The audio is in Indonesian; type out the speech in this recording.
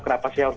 kenapa sih harus